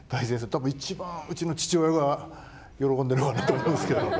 たぶんいちばんうちの父親が喜んでるかなと思うんですけど。